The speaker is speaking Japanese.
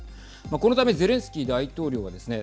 このためゼレンスキー大統領はですね